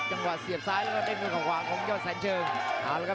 จังหวะเสียบซ้ายแล้วก็เด้งด้วยเขาขวาของยอดแสนเชิง